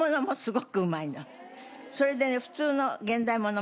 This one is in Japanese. それでね普通の。